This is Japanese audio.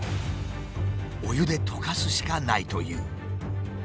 お湯でとかすしかないという。